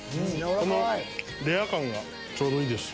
このレア感がちょうどいいです。